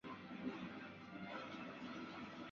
羽裂荨麻为荨麻科荨麻属下的一个亚种。